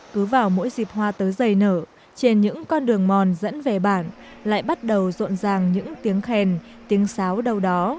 cứ vào mỗi dịp hoa tớ dày nở trên những con đường mòn dẫn về bản lại bắt đầu rộn ràng những tiếng khen tiếng sáo đâu đó